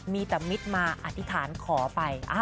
มีแต่มิตรมาอธิษฐานขอไป